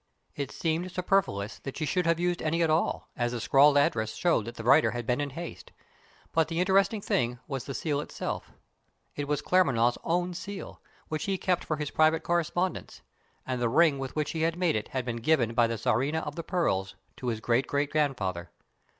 It seemed superfluous that she should use any at all, as the scrawled address showed that the writer had been in haste; but the interesting thing was the seal itself. It was Claremanagh's own seal, which he kept for his private correspondence, and the ring with which he made it had been given by the Tsarina of the Pearls to his great great grandfather.